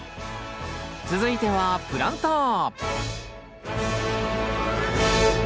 続いてはプランター！